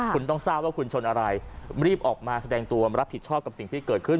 คุณต้องทราบว่าคุณชนอะไรรีบออกมาแสดงตัวรับผิดชอบกับสิ่งที่เกิดขึ้น